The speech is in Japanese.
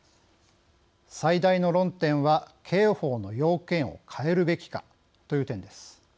最大の論点は刑法の要件を変えるべきかという点です。